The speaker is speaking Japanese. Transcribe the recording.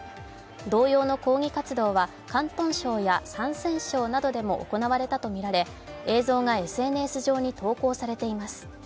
動揺の抗議活動は広東省や山西省などでも行われたとみられ映像がＳＮＳ上に投稿されています。